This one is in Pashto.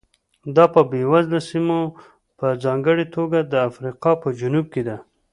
دا په بېوزله سیمو په ځانګړې توګه د افریقا په جنوب کې ده.